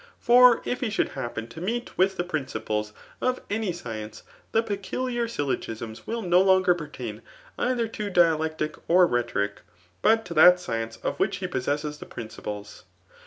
For if he should happen to meet widi the principles (^of any science] the peculiar syllogisms wiH no longer pertain ather to dialectic or rhetoric, but to that science of which he possesses the prmciples.